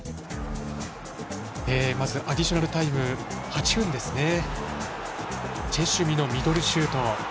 まずアディショナルタイム８分のチェシュミのミドルシュート。